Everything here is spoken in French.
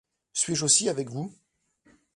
Suis-je aussi avec vous?